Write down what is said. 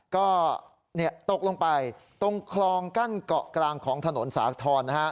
ก็ตกลงไปตรงคลองกั้นเกาะกลางของถนนสาธรณ์